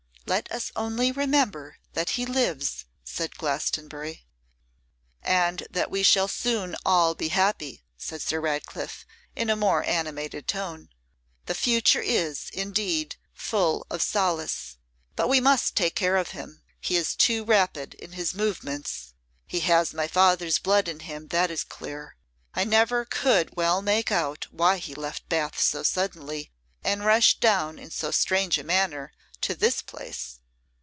'Let us only remember that he lives,' said Glastonbury. 'And that we shall soon all be happy,' said Sir Ratcliffe, in a more animated tone. 'The future is, indeed, full of solace. But we must take care of him; he is too rapid in his movements. He has my father's blood in him, that is clear. I never could well make out why he left Bath so suddenly, and rushed down in so strange a manner to this place.